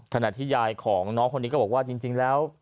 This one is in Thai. ขณะที่ยายของน้องคนนี้ก็บอกว่าจริงแล้ว